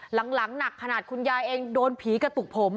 หนักขนาดคุณยายเองโดนผีกระตุกผม